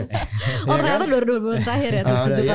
oh ternyata dua bulan terakhir ya